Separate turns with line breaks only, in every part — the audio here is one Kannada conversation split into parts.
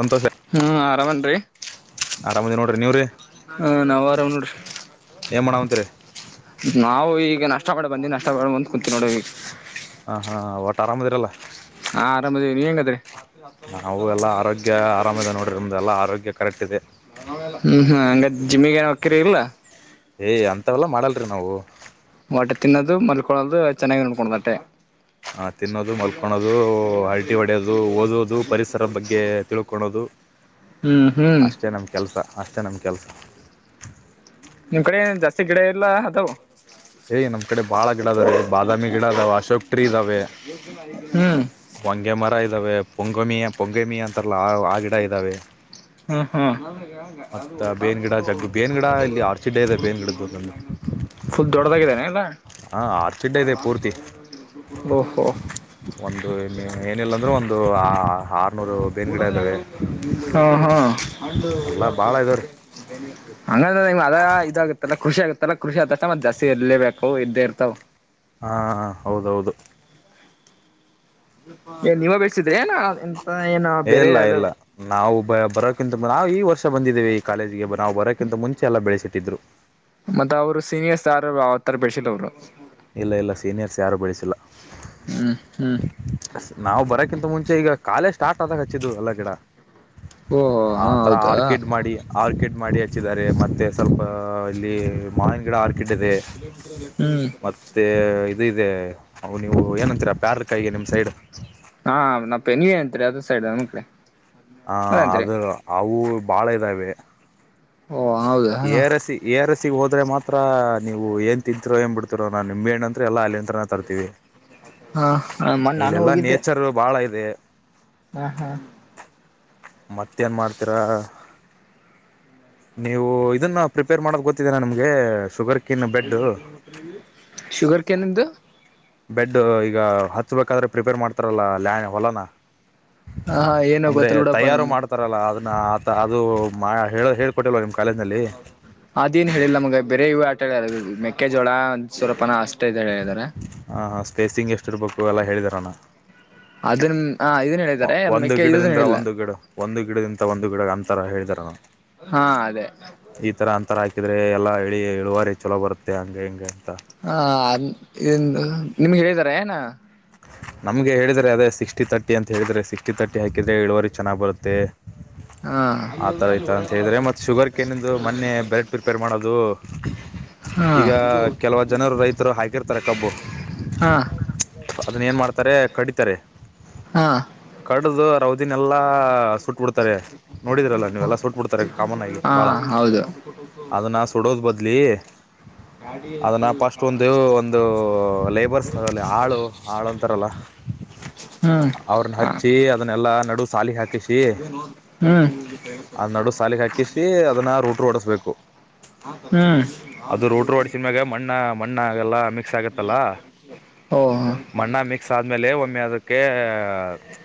ಸಂತೋಷ.
ಹ್ಮ್ ಆರಾಮ ಏನ್ರಿ
ಅರಾಕದೇನ್ ನೋಡ್ರಿ ನೀವ್ರರಿ....
ಹಾ ನಾವು ಆರಾಮ್ ನೋಡ್ರಿ...
ಏನು ಮಾಡಾಕುಂತೀರಿ
ನಾವು ಈಗ ನಾಷ್ಟಾ ಮಾಡ್ ಬಂದೀನಿ ನಾಸ್ಟಾ ಮಾಡಿ ಬಂದ್ ಕುೂಂತೀನಿ ನೋಡಿ ಈಗ
ಹಾ ಹಾಂ ಒಟ್ಟು ಆರಾಮದಿರಲ್ಲ...
ಹಾ ಆರಾಮದಿವಿ ನೀವ ಹೆಂಗದಿರಿ
ನಾವು ಎಲ್ಲಾ ಆರೋಗ್ಯ ಅರಾಮ್ ಅದೇವ ನೋಡ್ರಿ ನಮ್ದ ಎಲ್ಲಾ ಆರೋಗ್ಯ ಕರೆಕ್ಟ್ ಇದೆ...
ಹ್ಮ್ ಹ್ಮ್ ಹಂಗ ಜಿಮ್ಮಿಗ ಏನ್ ಹೋಕಿರಿ ಇಲ್ಲ......
ಏಯ್ ಅಂಥವೆಲ್ಲಾ ಮಾಡಲ್ರಿ ನಾವು..
ಒಟ್ಟು ತಿನ್ನೋದು ಮಲ್ಕೊಳ್ಳೋದು ಚೆನ್ನಾಗಿ ನೋಡ್ಕೋುದು ಅಟ್ಟೆ
ಹ ತಿನ್ನೋದು ಮಲ್ಕೊಳೋದು ಹರಟಿ ಹೊಡೆಯೋದು ಓದೋದು ಪರಿಸರದ ಬಗ್ಗೆ ತಿಳ್ಕೊಳೋದು.....
[unintelligible] ಹ್ಮ್
ಅಷ್ಟೇ ನಮ್ ಕೆಲ್ಸ ಅಷ್ಟೇ ನಮ ಕೆಲ್ಸ...
ನಿಮ್ ಕಡೆ ಜಾಸ್ತಿ ಗಿಡ ಇಲ್ಲಾ? ಅದವು?
ಏ ನಮ್ಮ ಕಡೆ ಬಾಳ ಗಿಡಾ ಅದಾವ ರೀ ಬಾದಾಮಿ ಗಿಡಾ ಅದಾವ ಅಶೋಕ್ ಟ್ರೀ ಇದಾವೆ.
ಹ್ಮ್.
ಹೊಂಗೆ ಮರಾ ಇದ್ದಾವೆ ಪೊಂಗಮಿಯ ಪೊಂಗಮಿಯ ಅಂತಾರಲ್ಲ ಆ ಆ ಗಿಡಾ ಇದ್ದಾವೆ.
ಹೂ ಹೂ
ಬೇನ್ ಗಿಡ ಜಗ್ಗು ಬೇನ್ ಗಿಡ ಇಲ್ಲಿ ಆರ್ಚಿಡ್ ಇದೆ ಬೇನ್ ಗಿಡದ್ದು ಒಂದೊಂದು
ಪುಲ್ ದೊಡದಾಗಿದಾವ ಏನ್ ಎಲ್ಲಾ
ಹಾ ಆರ್ಚಿಡ್ ಇದೆ ಪೂರ್ತಿ
ಓಹೋ
ಒಂದು ಏನಿಲ್ಲ ಅಂದ್ರನು ಒಂದು ಆ ಆರ್ನೂರು ಬೇನ್ ಗಿಡಾ ಇದ್ದಾವೆ.
ಹಾ ಹಾ
ಎಲ್ಲ ಭಾಳ ಇದಾವೆ ರೀ
ಹಂಗಂದ್ರ ನಿಮ್ ಅದ ಇದಾಗತ್ತಲ್ಲ ಕೃಷ್ಣ ಆಗುತ್ತಲ್ಲಾ ಕೃಷಿ ಆದ ತಕ್ಷಣ ಮತ್ತ ಜಸ್ತಿ ಇರಲೇಬೇಕು ಇದ್ದೇ ಇರ್ತಾವ.
ಹಾ ಹೌದು ಹೌದು.
ಏ ನೀವ ಬಿಳಸಿದ್ರಿ ಏನ. ಎಂತ ಏನ ಬೇರೆ
ಇಲ್ಲಾ
ಯಾರು
ಇಲ್ಲಾ. ನಾವು ಬ ಬರೋಕಿಂತ ನಾವು ಈ ವರ್ಷ ಬಂದಿದ್ದೇವಿ ಈ ಕಾಲೇಜಿಗೆ ನಾವು ಬರೋಕ್ಕಿಂತ ಮುಂಚೆ ಎಲ್ಲಾ ಬೆಳೆಸಿದ್ದಿತ್ತು.
ಮತ್ತ ಅವ್ರು ಸೀನಿಯರ್ಸ್ ಯಾರು ಆತರಾ ಬೆಳಸಿದ್ದ ಅವ್ರು.
ಇಲ್ಲ ಇಲ್ಲ ಸೀನಿಯರ್ಸ್ ಯಾರು ಬೆಳಸಿಲ್ಲ
ಹ್ಮ್ ಹ್ಮ್
ನಾವು ಬರಕ್ಕಿಂತ ಮುಂಚೆ ಈಗ ಕಾಲೆಜ್ ಸ್ಟಾರ್ಟ್ ಆದಾಗ ಹಚ್ಚಿದ ಎಲ್ಲ ಗಿಡ
ಓಹೋ
ಆ
ಹಾ
ತರ
ಹೌದಾ
ಆರ್ಕಿಡ್ ಮಾಡಿ ಆರ್ಕಿಡ್ ಮಾಡಿ ಹಚ್ಚಿದ್ದಾರೆ ಮತ್ತೆ ಸ್ವಲ್ಪ ಇಲ್ಲಿ ಮಾವಿನ ಗಿಡ ಆರ್ಕಿಡ್ ಇದೆ
ಕಲೋಮೀಟರ [inaudible] ಅಲ್ಲಿ
ಮತ್ತೆ ಇದ ಇದೆ ಅ ನೀವು ಏನಂತೀರಾ ಪ್ಯಾರಲ ಕಾಯಿಗೆ ನಿಮ್ಮ ಸೈಡ್
ಹಾ ನಾವು ಪೆನ್ವಿ ಅಂತೀವಿ ಅದ್ರ ಸೈಡ್ ಆಕಡೆ
ಹ ಅದ್ರ ಅವು ಬಾಳ ಇದ್ದಾವೆ
ಓ ಹೌದಾ
ಏರಸಿ ಎರ್ ಎಸಿ ಗೆ ಹೋದರೆ ಮಾತ್ರ ನೀವು ಏನು ತಿಂತೀರೋ ಏನು ಬಿಡ್ತಿರೋ ನಾ ನಿಂಬೆ ಹಣ್ಣ ಎಲ್ಲ ಅಲ್ಲಿ ಹಂತ್ರನ ತರ್ತೀವಿ
ಹಾ ಮೊನ್ನೆ ನಾನು
ಇಲ್ಲೆಲ್ಲಾ
ಹೋಗಿದ್ದೆ
[unintelligible] ಬಾಳ ಇದೆ
ಹಾ ಹಾ
ಮತ್ತೇನ್ ಮಾಡ್ತೀರಾ ನೀವು ಇದನ್ನ ಪ್ರಿಪೇರ್ ಮಾಡೋದು ಗೊತ್ತಿದೇ ನಿಮಗೆ ಶುಗರ್ ಕಿನ್ ಬೆಡ್
ಶುಗರ್ ಕೆನ್ ದು
ಬೆಡ್ ಈಗ ಹಚ್ಬೇಕಾದ್ರೆ ಪ್ರಿಪೇರ್ ಮಾಡ್ತಾರಲ್ಲ ಹೊಲನ
ಹ ಹಾ ಏನೋ ಗೊತ್ತಿಲ್ಲ ಬಿಡಪ್ಪ ನಮಗ
ರಲ್ಲ ಅದನ್ನ ಆ ಅದು ಹೇಳ ಕೊಟ್ಟಿಲ್ವಾ
ಹೌದು ಅದೇನ್ ಹೇಳಿಲ್ಲ ನಮಗೆ ಬೇರೆ ಇವ ಆಟ ಹೇಳ ಮೆಕ್ಕೆಜೋಳ ಸೂರಪನ ಅಷ್ಟೇ ಇದ ಹೇಳಿದ್ದಾರೆ
ಹಾಂ ಹಾಂ ಸ್ಪೇಸಿಂಗ್ ಎಸ್ಟಿರಬೇಕು ಎಲ್ಲ ಹೇಳಿದರಲ್ಲ
ಅದನ್ ಹ ಇದನ್ ಹೇಳಿದ್ದಾರೆ
ಒಂದು
ಮಕ್ಕೆ ಇದನ್
ಗಿಡದಿಂದ
ಹೇಳಿಲ್ಲ
ಒಂದು ಗಿಡ ಒಂದು ಗಿಡದಿಂದ ಒಂದು ಗಿಡ ಅಂಥರ ಹೇಳಿದರೆ ನಾನು
ಹಾ ಅದೇ
ಈ ತರ ಅಂತರ ಹಾಕಿದ್ರೆ ಎಲ್ಲಾ ಇಳಿ ಇಳುವಾರಿ ಚಲೋ ಬರುತ್ತೆ ಹಂಗ ಹಿಂಗೆ ಅಂತ
ಹ ನಿಮ್ಗೆ ಹೇಳಿದಿದ್ದಾರೆ ಏನ
ನಮಗೆ ಹೇಳಿದರೆ ಅದೇ ಸಿಕ್ಸ್ಟಿ ತರ್ಟಿ ಅಂತ ಹೇಳಿದರೆ ಸಿಕ್ಸ್ಟಿ ತರ್ಟಿಕಿದರೆ ಇಳುವರಿ ಚೆನ್ನಾಗಿ ಬರುತ್ತೆ
ಹಾ
ಆಥರ ಈತರ ಅಂತ ಹೇಳಿದ್ರೆ ಮತ್ತ ಶುಗರ್ ಕನಂದು ಮೊನ್ನೆ ಬ್ರೆಡ್ ಪ್ರಿಪೇರ್ ಮಾಡೋದು
ಹಾ
ಈಗ ಕೆಲವ ಜನರು ರೈತರು ಹಾಕಿರ್ತಾರೆ ಕಬ್ಬು
ಹಾ
ಅದನ್ನ ಏನು ಮಾಡ್ತಾರೆ ಕಡಿತಾರೆ
ಹಾ
ಕಡ್ದು ರೌದಿನೆಲ್ಲಾ ಸುಟ್ ಬಿಡ್ತಾರೆ ನೋಡಿದ್ರಲ್ಲ ನೀವೆಲ್ಲ ಸುಟ್ ಬಿಡ್ತಾರೆ ಕಾಮನ್ ಆಗಿ
ಹಾ
ಬಾಳ
ಹೌದು
ಅದನ್ನ ಸುಡೋದು ಬದ್ಲಿ ಅದನ್ನ ಫಸ್ಟ್ ಒಂದು ಒಂದು ಲೇಬರ್ಸ್ ಅಲ್ಲಿ ಹಾಳು ಹಾಳಂತಾರಲ್ಲ
ಹ್ಮ್
ಅವ್ರನ್ನ
ಹ
ಹಚ್ಚಿ ಅದನ್ನೆಲ್ಲಾ ನಡುವ ಸಾಲಿಗೆ ಹಾಕಿ ಹಾಕಿಸಿ
ಹ್ಮ್
ಅದ ನಡು ಸಾಲಿಗೆ ಹಾಕಿಸಿ ಅದನ್ನ ರೂಟ್ರು ಓಡಿಸ್ಬೇಕು
ಹ್ಮ್
[inaudible] ಅದು ರೋಟ್ರ ಒಡಸಿದ ಮ್ಯಾಗ ಮಣ್ಣ ಮಣ್ಣ ಆಗಲ್ಲ ಮಿಕ್ಸ ಆಗತ್ತಲ್ಲ...
[inaudible] ಒಹ್...
ಮಣ್ಣಗ ಮಿಕ್ಸ ಆದ್ಮೇಲೆ ಒಮ್ಮೆ ಅದಕ್ಕೆ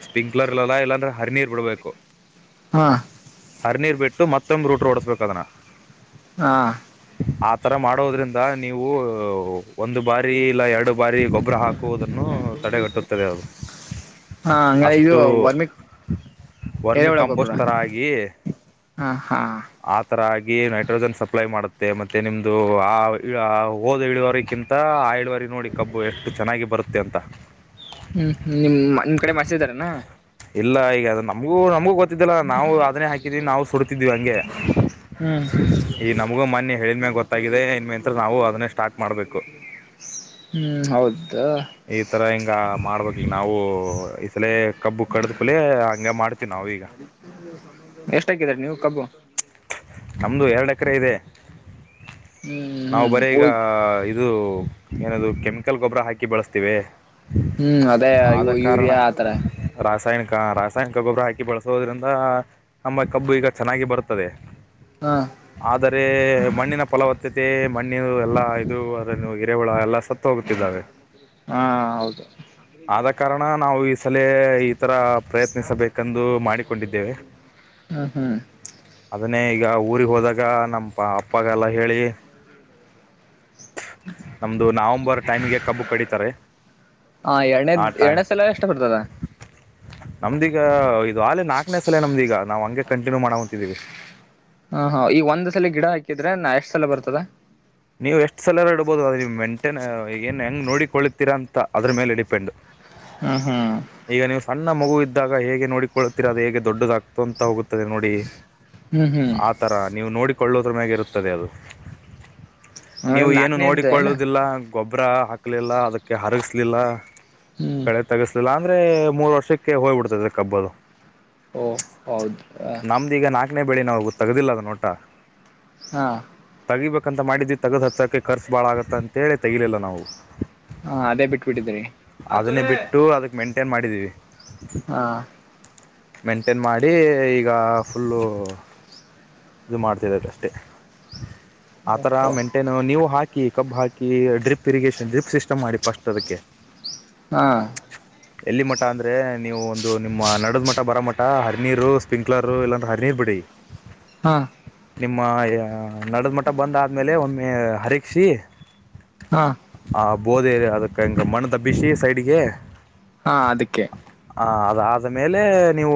ಸ್ಪಿಂಕ್ಲರ್ ಇಲ್ಲ ಇಲ್ಲಾಂದ್ರೆ ಹರಿನೀರ್ ಬಿಡ್ಬೇಕು.
ಹಾ
ಹರಿನೀರ್ ಬಿಟ್ಟು ಮತ್ತೊಂಮ್ಮೆ ರೂಟರ ಹೊಡಸಬೇಕ ಅದನ್ನ
ಹಾ
ಆತರ ಮಾಡೋದ್ರಿಂದ ನೀವು ಒಂದು ಬಾರಿ ಇಲ್ಲ ಎರಡು ಬಾರಿ ಗೊಬ್ಬರ ಹಾಕ ಹು ಹು ತಡೆಗಟ್ಟುತ್ತದೆ ಅದು
ಹಾ ಹಂಗಾರೆ ಇದು
ಅಷ್ಟು
ವರ್ಮಿಕ್
ವರ್ಮಿ
ಎರೆಹುಳ
ಕಂಪೋಸ್
ಗೊಬ್ಬರ
ತರ ಆಗಿ
ಹಾ ಹಾ
ಆ ತರ ಆಗಿ ನೈಟ್ರೋಜನ್ ಸಪ್ಲೈ ಮಾಡುತ್ತೆ ಮತ್ತೆ ನಿಮ್ದು ಆ ಹ ಓದ ಇಳಿಯುವರಿಕಿಂತ ಹಾ ಆ ಇಳುವರಿ ನೋಡಿ ಕಬ್ಬು ಎಷ್ಟು ಚೆನ್ನಾಗಿ ಬರುತ್ತೆ ಅಂತಾ...
ಹ್ಮ್ ಹ್ಮ್ಮ್ ನಿಮ್ ನಿಮ್ ಕಡೆ ಮರ್ಸಿದಾರಾನ
ಇಲ್ಲ ಈಗ ಅದ ನಮಗೂ ನಮಗೂ ಗೊತ್ತ ಇದ್ದಿಲ್ಲ ನಾವು ಅದನ್ನೇ ಹಾಕಿದ್ವಿ ನಾವು ಸುಡತಿದ್ವಿ ಹಂಗೆ
ಹ್ಮ್
[inaudible] ಈ ನಮಗೂ ಮೊನ್ನೆ ಹೇಳಿದ್ಮೇ ಗೊತ್ತ.
[unintelligible] ಹ್ಮ್ ಹೌದ್ದ
ಈ ತರ ಹಿಂಗ ಮಾಡ್ಬೇಕ ಈಗ ನಾವು ಈ ಸಲ ಕಬ್ಬು ಕಡದ ಕೂಡಲೆ ಹಂಗೆ ಮಾಡ್ ನಾವು ಈಗ
ಎಷ್ಟ ಹಾಕಿದ್ದೀರಿ ನೀವು ಕಬ್ಬು.
ನಮ್ದು ಎರಡ ಎಕರೆ ಇದೆ
ಹ್ಮ್
[inaudible] ನಾವು ಬರೆ ಈಗಾ...
ಹ್ಮ್
ಇ ಇದು ಏನ ಕೆಮಿಕಲ್ ಗೊಬ್ಬರ ಹಾಕಿ ಬಳಸ್ತಿವೆ.
ಹ್ಮ್ ಅದೇ ಯೂರಿಯಾ ಆತರ
ರಾಸಾಯನಿಕ ರಾಸಾಯನಿಕ ಗೊಬ್ಬರ ಹಾಕಿ ಬೆಳಸೋದ್ರಿಂದ ನಮ್ಮ ಕಬ್ಬು ಈಗ ಚೆನ್ನಾಗಿ ಬರುತ್ತೆ. ತದೆ
ಹಾ
ಆದರೆ ಮಣ್ಣಿನ ಫಲವತ್ತತೆ ಮಣ್ಣಿನ ಎಲ್ಲಾ ಇದು ಅದು ಹಿರೆಹೊಳ ಎಲ್ಲ ಸತ್ತ
[inaudible] ಹಾ ಹೌದು
ಆದ ಕಾರಣ ನಾವು ಈ ಸಲೇ ಈತರ
[unintelligible] ಹ್ಮ್ಮ್ ಹ್ಮ್
ಅದನ್ನೇ ಈಗ ಊರಿಗೆ ಹೋದಾಗ ನಮ್ಮ ಪ ಅಪ್ಪಗೆಲ್ಲ ಹೇಳಿ. ನಮ್ದು ನವಂಬರ್ ಟೈಮ್ಗೆ ಕಬ್ಬು ಕಡಿತಾರೆ.
ಹಾ ಎರಡೇದ
ಆ ಟೈಮ್
ಎರಡನೇ ಸಲ ಎಷ್ಟ ಬರ್ತದ.
[inaudible] ನಮ್ದೀಗ ಇದು ಆ ನಾಕನೇ ಸಲ ನಮ್ದೀ ಈಗ ನಾವು ಹಂಗೆ ಕಂಟಿನ್ಯೂವ ಮಾಡ ಹೊಂತಿದೀವಿ.
ಹಾ ಹಾ ಈಗ ಒಂದ್ ಸಲ ಗಿಡ ಹಾಕಿದ್ರೆ ನಾ ಎಷ್ಟ ಸಲ ಬರ್ತದ.
ನೀವು ಎಷ್ಟು ಸಾಲರ ಇಡ್ಬಹುದು ಅ ಮೆಂಟೈನ್ ಏನ್ ಹೆಂಗ್ ನೋಡಿಕೊಳ್ಳಿತೀರಾ ಅಂತ ಅದ್ರ ಮೇಲೆ ಡಿಪೆಂಡ್.
ಹ್ಮ ಹ್ಮ
ಈಗ ನೀವು ಸಣ್ಣ ಮಗು ಇದ್ದಾಗ ಹೇಗೆ ನೋಡಿಕೊಳ್ಳುತ್ತೀರ ಅದೆ ಹೇಗೆ ದೊಡ್ಡದಾಗ ಆತು ಅಂತ ಹೋಗುತ್ತದೆ ನೋಡಿ
ಹ್ಮ್ ಹ್ಮ್
ತರ ನೀವು ನೋಡಿಕೊಳ್ಳೋದ್ರ ಮ್ಯಾಗ ಇರುತ್ತದೆ ಅದು. [inaudible]
ಹಂಗಾರೆ
ನೀವು ಏನು
ನಾಲ್ಕನೇ ಇದ್ದ ಏನ
ನೋಡಿಕೊಳ್ಳುವುದಿಲ್ಲ ಗೊಬ್ಬರ ಹಾಕ್ಲಿಲ್ಲ ಅದಕ್ಕೆ ಹರಗಸ್ಲಿಲ್ಲ [inaudible]
ಹ್ಮ್
ಕಳೆ ತಗಸ ಇಲ್ಲ ಅಂದ್ರೆ ಮೂರ್ ವರ್ಷಕ್ಕೆ ಹೋಗ್ಬ ಬಿಡ್ತೈದೆ ಕಬ್ಬ ಅದು.
ಓ ಹೌದು ಹ
[unintelligible] ಬೆಳಿ ನಾವು ತಗದಿಲ್ಲ ಅದ್ನ ಒಟ್ಟ
ಹಾ
ತೆಗಿಬೇಕಂತ ಮಾಡಿದ್ವಿ ತಗದ್ ಹತ್ತೋಕ್ಕೆ ಖರ್ಚು ಭಾಳ ಆಗತ್ತ ಅಂತೇಳಿ ತೆಗಿಲಿಲ್ಲ ನಾವು
ಹಾ ಅದೇ ಬಿಟ್ಬಿಟ್ಟಿದ್ರಿ.
ಅದಕ್ ಮೇಂಟೈನ್ ಮಾಡಿದೀವಿ.
ಹಾ
ಮೇಂಟೇನ್ ಮಾಡಿ ಈಗ ಫುಲ್ಲು. ಇದು ಮಾಡ್ತಿರದ ಅಷ್ಟೇ. ಆತರ
ಓಹೋ
ಮೇಂಟೈನ್ ನೀವು ಹಾಕಿ ಕಬ್ ಹಾಕಿ ಡ್ರಿಪ್ ಇರಿಗೇಷನ್ ಡ್ರಿಪ್ ಸಿಸ್ಟಮ್ ಮಾಡಿ ಪಸ್ಟ್ ಅದಕ್ಕೆ.
ಹಾ
ಎಲ್ಲಿ ಮಠ ಅಂದ್ರೆ ನೀವು ಒಂದು ನಿಮ್ಮ ನಡದ ಮಠ ಬರೋ ಮಠ ಹರಿನೀರು ಸ್ಪ್ರಿಂಕ್ಲರು ಇಲ್ಲಂದ್ರೆ ಹರಿನೀರ್ ಬಿಡಿ.
ಹಾ
ನಿಮ್ಮ ನಡದ ಮಟ್ಟ ಬಂದ ಆದ್ಮೇಲೆ ಒಮ್ಮೆ ಹರಕ್ಸಿ
ಹಾ
ಹ ಬೋದೇ ಅದಕ್ಕೆ ಹೆಂಗ ಮಣ್ಣ ದಬ್ಬಿಸಿ ಸೈಡ್ಗೆ.
ಹಾ ಅದಕ್ಕೆ
ಹ ಅದ ಆದ ಮೇಲೆ ನೀವು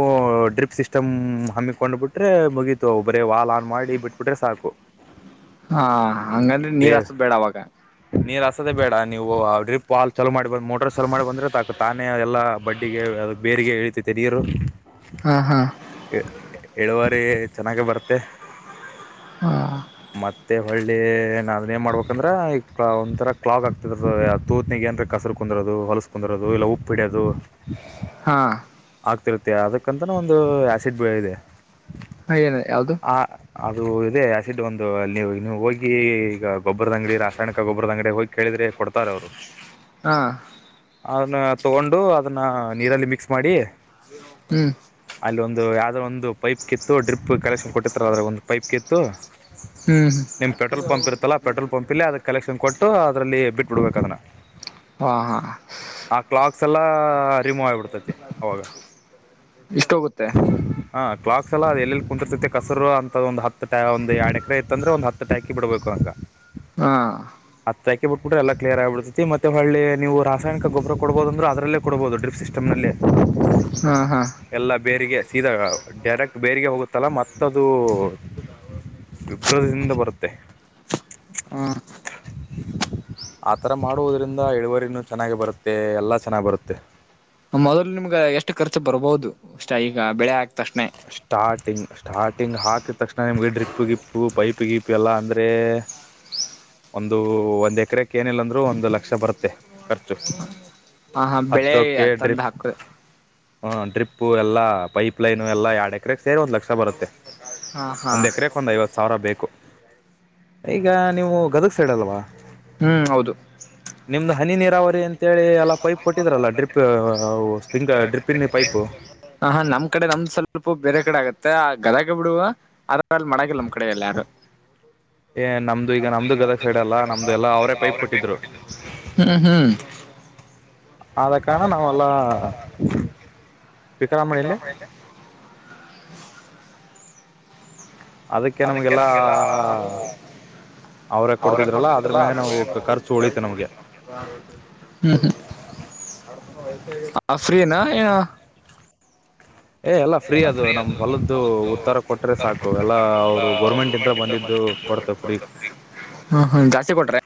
ಡ್ರಿಪ್ ಸಿಸ್ಟಮ್ ಹಮ್ಮಿಕೊಂಡ್ಬಿಟ್ಟು. ಅಂದ್ರೇ ಮುಗಿತು ಒಬ್ಬರೇ ವಾಲ್ ಆನ್ ಮಾಡಿ ಬಿಟ್ಬಿಟ್ರೆ ಸಾಕು.
ಹಾ ಹಂಗಂದ್ರೆ
ಬೇ
ನೀರ್ ಹಾಕೋದು ಬೇಡ ಅವಾಗ.
ನೀರ್ ಹಸದೆೇ ಬೇಡ ನೀವು ಡ್ರಿಪ್ ಹಾ ಚಲೋ ಮಾಡಿ ಬ್ ಮೋಟರ್ ಚಲೋ ಮಾಡಿ ಬಂದ್ರೆ ಸಾಕು ತಾನೇ ಎಲ್ಲಾ ಬಡ್ಡಿಗೆ ಅ ಬೇರೆಗೆ ಇಳಿತದ ನೀರು.
ಹಾ ಹಾ
ಇಳುವರಿ ಚೆನ್ನಾಗಿ ಬರ್ತ್ತೆ.
ಹಾ
ಮತ್ತೆ ಹಳ್ಳಿ ಅದನ್ನ ಏನ್ ಮಾಡ್ಬೇಕಂದ್ರೆ ಈ ಒಂಥರ ಕ್ಲಾಕ್ ಆಗ್ತದ ತೂತ್ನಿಗೆ ಅಂದ್ರೆ ಕಸರ್. ಕುಂದಿರೋದು ಹೊಲಸ್ ಕುಂದಿರೋದು ಇಲ್ಲ ಉಪ್ಪುಡಿಯೋದು.
ಹಾ
ಆಗ್ತಿರುತ್ತೆ ಅದಕ್ಕಂತನ ಒಂದು ಆಸಿಡ್ ಬೆಳೆ ಇದೆ.
ಹ ಏನ್ ಯಾವ್ದದು.
ಆ ಅದು ಇದೆ ಆಸಿಡ್ ಒಂದು ನೀವು ನೀವು ಹೋಗಿ ಈಗ ಗೊಬ್ಬರದ ಅಂಗಡಿ ರಾಸಾಯನಿಕ ಗೊಬರದ ಅಂಗಡಿ ಹೋಗಿ. ಕೇಳಿದ್ರೆ ಕೊಡ್ತಾರೆ ಅವ್ರು.
ಹಾ
ಅದನ್ನ ತಗೊಂಡು ಅದನ್ನ ನೀರಲ್ಲಿ ಮಿಕ್ಸ್ ಮಾಡಿ.
ಹ್ಮ್
ಅಲ್ಲಿ ಒಂದು ಯಾವ್ದೋ ಒಂದು ಪೈಪ್ ಕಿತ್ತು ಡ್ರಿಪ್ ಕನೆಕ್ಷನ್ ಕೊಟ್ಟಿರ್ಥರೆ ಅದ್ರ ಒಂದು ಪೈಪ್ ಕಿತ್ತು
ಹ್ಮ್ ಹ್ಮ
ನಿಮ್ ಪೆಟ್ರೋಲ್ ಪಂಪ್ ಇರ್ತ್ತಲ್ಲ ಪೆಟ್ರೋಲ್ ಪಂಪ್ ಅಲ್ಲಿ ಅದಕ್ಕೆ ಕಲೆಕ್ಷನ್ ಕೊಟ್ಟು ಅದರಲ್ಲಿ ಬಿಟ್ಬಡ್ಬೇಕೂ ಅದನ್ನ.
ಹಾ ಹಾ
ಆ ಕ್ಲಾಕ್ಸ್ ಎಲ್ಲಾ ರಿಮೂವ್ ಆಗಿಬಿಡ್ತೈತಿ ಅವಾಗ.
ಇಷ್ಟೋಗುತ್ತೆ
ಹಾ ಕ್ಲಾಕ್ ಎಲ್ಲ ಅ ಎಲ್ಲಿ ಕುಂತಿರ್ತೈತೆ ಕಸರು ಅಂತ ಒಂದು ಹ ಒಂದ್ ಎರಡ್ ಎಕರೆ ಇತ್ತ ಅಂದ್ರೆ ಒಂದ ಹತ್ತು. ಹಾಕಿ ಬಿಡಬೇಕು ಆಗ
ಹಾ
ಹತ್ತ ಹಾಕಿ ಬಿಟ್ಬಿಟ್ರೆ ಎ ಕಲಿಯರ್ ಆಗಿಡ್ತತಿ ಮತ್ತೆ ಅಲ್ಲಿ ನೀವು ರಾಸಾಯನಿಕ ರಾಸಾಯನಿಕ ಗೊಬ್ಬರ ಕೊಡ್ಬೋದು ಅಂದ್ರ ಅದ್ರಲ್ಲೆ ಕೊಡ್ಬೋದು ಡ್ರಿಪ್ ಸಿಸ್ಟಮ್ನಲ್ಲೇ.
ಹಾ ಹಾ
ಎಲ್ಲಾ ಬೇರಿಗೆ ಸೀದಾ ಡರೆಕ್ಟ್ ಬೇರಿಗೆ ಹೋಗುತ್ತಲ್ಲ ಮತ್ತದು ವಿಭ್ರದಿಂದ ಬರುತ್ತೆ.
ಹಾ
ಆತರ ಮಾಡುವುದರಿಂದ ಇಳುವರಿನ್ನು. ಚೆನ್ನಾಗಿ ಬರುತ್ತೆ ಎಲ್ಲ ಚೆನ್ನಾಗ್ ಬರುತ್ತೆ.
ಮೊದ್ಲು ನಿಮ್ಗ ಎಷ್ಟ ಖರ್ಚ ಬರ್ಬಹುದು ಅಷ್ಟ ಈಗ ಬೆಳೆ ಹಾಕಿದ ತಕ್ಷಣೆ.
ಸ್ಟಾರ್ಟಿಂಗ್ ಸ್ಟಾರ್ಟಿಂಗ್ ಹಾಕಿದ ತಕ್ಷಣೆ ನಿಮಗೆ ಡ್ರಿಪ್ಪ ಗಿಪ್ಪು ಪೈಪ್ ಗಿಪ್ಪು ಎಲ್ಲ ಅಂದರೆ.
[inaudible]
ಒಂದು ಒಂದ್ ಎಕರೆಕ್ ಏನಿಲ್ಲ ಅಂದರೂ ಒಂದು ಲಕ್ಷ ಬರುತ್ತೆ ಖರ್ಚು
ಹ ಹಾ ಬೆಳೆ ತಂದ ಹಾಕ್
ಹಾ ಡ್ರಿಪ್ಪು ಎಲ್ಲಾ ಪೈಪ್ಲೈನು ಎಲ್ಲಾ ಎರಡ ಎಕರೆಗ ಸೇರ ಒಂದ್ ಲಕ್ಷ ಬರುತ್ತೆ
ಹಾ ಹಾ
ಒಂದ್ ಎಕರೆಕ್ ಒಂದ್ ಐವತ್ತ ಸಾವಿರ ಬೇಕು ಈಗ ನೀವು ಗದಗ್ ಸೈಡಲ್ವಾ
ಹ್ಮ್ ಹೌದು
ನಿಮ್ದ್ ಹನಿ ನೀರಾವರಿ ಅಂತೇಳಿ ಎಲ್ಲ ಪೈಪ್ ಕೊಟ್ಟಿದ್ರಲ್ಲ ಡ್ರಿಪ್ ಅವು ಸ್ಪಿರಿಂಗ್ ಡ್ರಿಪ್ಪಿನ ಪೈಪ್
ಹ ಹಾ ನಮ್ ಕಡೆ ನಮ್ದ್ ಸ್ವಲ್ಪ ಬೇರೆ ಕಡೆ ಆಗತ್ತೆ ಆ ಗದಗ ಬಿಡುವ ಅರ್ಧ ಅರ್ಧ ಮಾಡಂಗಿಲ್ಲ ನಮ್ಮ್ ಕಡೆ ಇಲ್ಲ ಯಾರು
ಏ ನಮ್ದು ಈಗ ನಮ್ದು ಗದಗ ಸೈಡ್ ಅಲ್ಲ ನಮ್ದು ಎಲ್ಲ ಅವರೇ ಪೈಪ್ ಕೊಟ್ಟಿದ್ರು
[unintelligible] ಹ್ಮ ಹ್ಮ್
ಆದ ಕಾರಣ ನಾವೆಲ್ಲ ಸ್ಪೀಕರ ಆನ್ ಮಾಡಿ ಏನ್ಲೆ
ಅದಕ್ಕೆ ನಮ್ಗೆಲ್ಲಾ ಅದು ಅವ್ರೇ
ಅದ್ರ
ಕೊಡ್ತಿದ್ರಲ್ಲ
ಮ್ಯಾಗ
ಅದರ
ನಾವು ಖರ್ಚು ಉಳಿತು
ಮ್ಯಾಲ್
ನಮ್ಗೆ
[inaudible] ಹ್ಮ್ ಹ್ಮ್ ಆ ಫ್ರೀನಾ ಏನು
ಎಲ್ಲ
ಏ ಎಲ್ಲಾ ಫ್ರೀ ಅದು ನಮ್
ಹೊಲದ್ದು
ಹೊಲದು
ಉತ್ತರ ಕೊಟ್ರೆ
ಉತ್ತರ
ಸಾಕು
ಕೊಟ್ರೆ [inaudible]
ಎಲ್ಲಾ ಅವರು ಗೋರ್ಮೆಂಟ್ ಇಂದ ಬಂದಿದ್ದು ಕೊಡ್ತೇವೆ ಫ್ರೀ
ಹ್ಮ ಹ್ಮ ಜಾಸ್ತಿ ಕೊಟ್ರೆನ್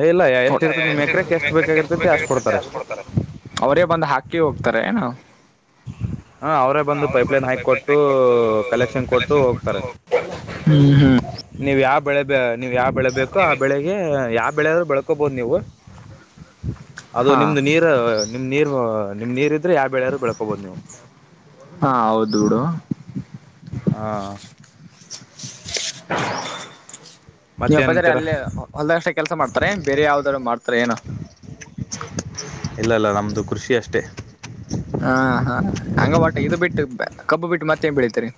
ಏ ಇಲ್ಲ ಎಷ್ಟ್ ಇರ್ತತಿ ನಿಮ್ ಎಕರೆಕ್ ಎಷ್ಟ್ ಬೇಕಾಗಿರ್ತೈತಿ ಅಷ್ಟ್ ಕೊಡ್ತಾರೆ
[unintelligible] ಅವರೇ ಬಂದ್ ಹಾಕಿ ಹೋಗ್ತಾರೆ ಏನ್ ಹ ಅವ್ರೇ ಬಂದು ಪೈಪ್ಲೈನ್ ಹಾಕೀ ಕೊಟ್ಟು ಕಲೆಕ್ಷನ್ ಕೊಟ್ಟು ಹೋಗ್ತರ್ ಹ್ಮ್ ಹ್ಮ್
ನೀವ್ ಯಾವ ಬೆಳೆ ಬ ನೀವ್ ಯಾವ ಬೆಳೆ ಬೇಕು ಆ ಬೆಳೆಗೆ ಯಾವ ಬೆಳೆ ಆದ್ರೂ ಬೆಳ್ಕೋಬಹದು ನೀವು ಅದು
ಹಾ
ನಿಮ್ದ ನೀರ್ ನಿಮ್ ನೀರ್ ನಿಮ್ ನೀರ್ ಇದ್ರ ಯಾವ ಬೆಳೆಯಾದ್ರೂರು ಬೆಳ್ಕೋಬೋದು ನೀವು
ಹಾ ಹೌದು ಬುಡು
ಹಾ
[unintelligible] ನೀಮ ಅಪ್ಪಾಜರ್
ಮತ್ತೇನಂತೀರ
ಅಲ್ಲೇ ಹೊಲದಾಗಷ್ಟೆ ಕೆಲ್ಸ ಮಾಡ್ತಾರೇನ್ ಬೇರೆ ಯಾವ್ದ್ರು ಮಾಡ್ತಾರೇನ್
ಇಲ್ಲ ಇಲ್ಲ ನಮ್ದು ಕೃಷಿ ಅಷ್ಟೆ
ಹಾ ಹಾ ಹಂಗ ಒಟ ಇದ ಬಿಟ್ಟ ಕಬ್ಬು ಬಿಟ್ಟ ಮತ್ತೆನ್ ಬೆಳಿತರಿ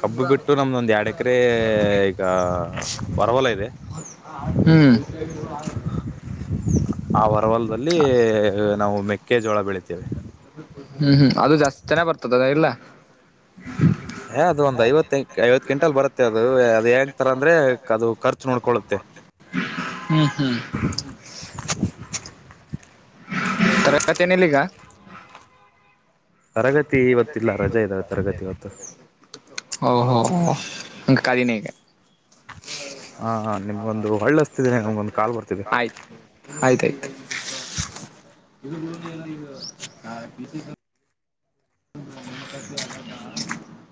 ಕಬ್ಬು ಬಿಟ್ಟು ನಮ್ದೊಂದ್ ಎರಡ್ ಎಕರೆ ಈಗ ಹೊರವಲ ಇದೆ
ಹ್ಮ್
ಆ ಹೊರವಲ್ದಲ್ಲಿ ನಾವು ಮೆಕ್ಕೆಜೋಳ ಬೆಳಿತಿವಿ
ಹ್ಮ್ ಹ್ಮ್ ಅದು ಜಾಸ್ತಿ ಚೆನ್ನಾಗ ಬರ್ತದದ ಇಲ್ಲ ಹ
ಏ ಅದು ಒಂದ್ ಐವತ್ತ ಐವತ್
[unintelligible]
ಕ್ವಿಂಟಲ್
ಬರುತ್ತೆ ಅದು ಅದು
ಹೆಂಗ್ ತರ
ಹೇಗಿರುತ್ತೆ ಅಂದ್ರೆ
ಅದು ಖರ್ಚು
ಖರ್ಚ್
ನೋಡ್ಕೊಳ್ಳುತ್ತೆ
ನೋಡೋಕೊಳುತ್ತೆ ಹ್ಮ ಹ್ಮ್ ತರಗತಿ ಏನಿಲ್ಲ ಈಗ್
ತರಗತಿ ಇವತ್ತಿಲ್ಲ ರಜೆ ಇದಾವೆ ತರಗತಿ ಇವತ್ತು
ಓ ಓ ಓ ಅಂಗ ಕಾಲಿನೆ ಈಗ
ಹಾ ನಿಮ್ಗೊಂದು ಹಳ್ಳ ಹಸ್ತಿದ್ದೇನೆ ನಮ್ಗೊಂದು ಕಾಲ್ ಬರ್ತಿದೆ
ಆಯ್ತ್ ಆಯ್ತಾಯ್ತ್